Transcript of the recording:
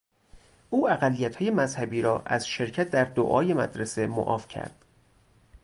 او اقلیتهای مذهبی را از شرکت در دعای مدرسه معاف کرد.